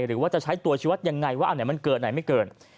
หรือว่าจะใช้ตัวชีวิตยังไง